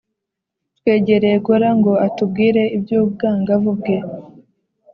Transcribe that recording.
twegereye golla ngo atubwire iby’ubwangavu bwe